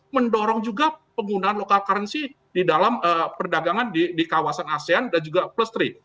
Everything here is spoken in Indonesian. mendorong juga penggunaan lokal currency di dalam perdagangan di kawasan asean dan juga plestri